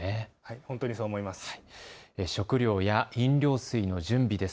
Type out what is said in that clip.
本当にそう思います。